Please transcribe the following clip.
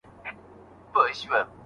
لارښود استاد له شاګرد سره ګام پر ګام ځي.